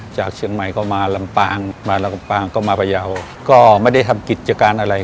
จากเชียงใหม่ก็มาลำปางมาลำปางก็มาพยาวก็ไม่ได้ทำกิจการอะไร